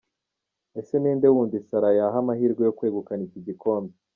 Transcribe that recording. Ese ni nde wundi Sarah yaha amahirwe yo kwegukana iki gikombe?.